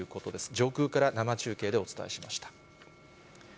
上空から生中継でお伝えしました。